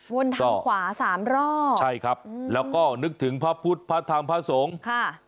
วนทางขวาสามรอบใช่ครับแล้วก็นึกถึงพระพุทธพระธรรมพระสงฆ์ค่ะ